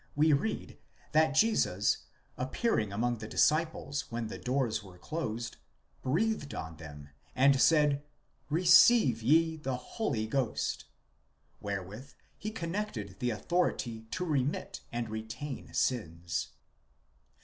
we read, that Jesus, ap pearing among the disciples when the doors were closed, breathed on them and said: Receive ye the Holy Ghost, λάβετε πνεῦμα ἅγιον, wherewith he con nected the authority to remit and retain sins.